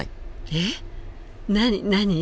えっ何何？